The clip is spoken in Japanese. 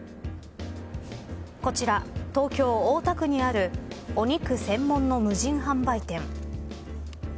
こちら東京、大田区にあるお肉専門の無人販売店。